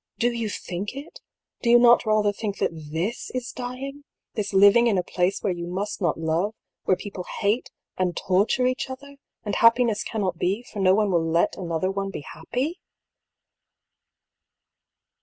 " Do you think it ? Do you not rather think that this is dying, this living in a place where you must not love, where people hate and torture each other, and happiness cannot be, for no one will let another one be happy